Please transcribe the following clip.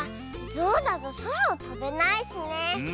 ゾウだとそらをとべないしね。